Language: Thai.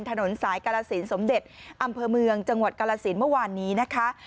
ถนนสายกาลสินสมเด็จอำเภอเมืองจังหวัดกาลสินเมื่อวานนี้นะคะ